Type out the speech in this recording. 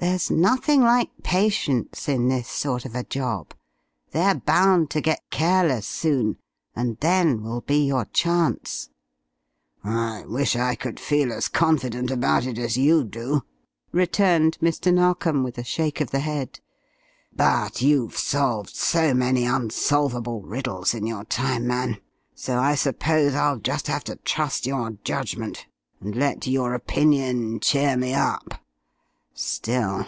There's nothing like patience in this sort of a job. They're bound to get careless soon, and then will be your chance." "I wish I could feel as confident about it as you do," returned Mr. Narkom, with a shake of the head. "But you've solved so many unsolvable riddles in your time, man, so I suppose I'll just have to trust your judgment, and let your opinion cheer me up. Still....